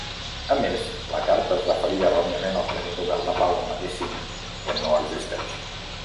A més, la carta es referia erròniament al Premi Nobel de Pau en Medicina, que no existeix.